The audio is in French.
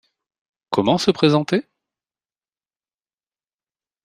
Comment se présenter ?